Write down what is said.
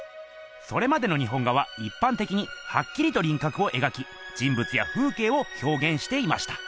それまでの日本画はいっぱんてきにはっきりとりんかくを描き人ぶつや風けいをひょうげんしていました。